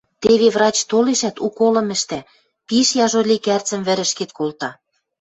Теве врач толешӓт, уколым ӹштӓ; пиш яжо лекӓрцӹм вӹрӹшкет колта...